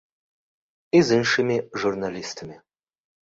І з іншымі журналістамі.